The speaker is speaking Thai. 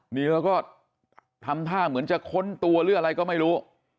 นี่แล้วก็ทำท่าเหมือนจะค้นตัวหรืออะไรก็ไม่รู้